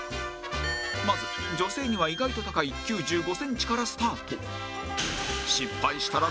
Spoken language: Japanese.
まず女性には意外と高い９５センチからスタート